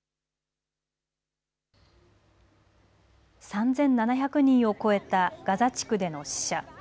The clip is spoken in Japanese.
３７００人を超えたガザ地区での死者。